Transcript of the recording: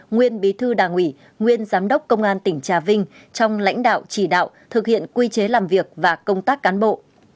nguyên bí thư đảng ủy nguyên giám đốc công an tỉnh trà vinh trong lãnh đạo chỉ đạo thực hiện quy chế làm việc và công tác cán bộ